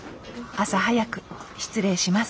朝早く失礼します。